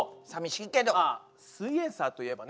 まあ「すイエんサー」といえばね